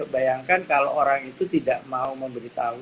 bayangkan kalau orang itu tidak mau memberitahu